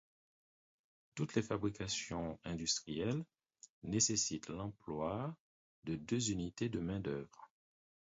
Toutes les fabrications industrielles nécessitent l'emploi de deux unités de main-d'œuvre.